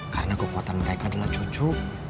karena kekuatan mereka adalah cucu